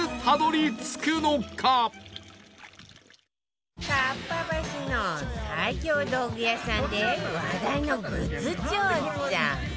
かっぱ橋の最強道具屋さんで話題のグッズ調査